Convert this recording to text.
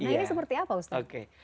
nah ini seperti apa ustadz